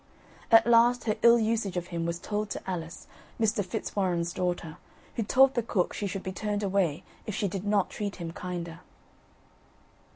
At last her ill usage of him was told to Alice, Mr. Fitzwarren's daughter, who told the cook she should be turned away if she did not treat him kinder.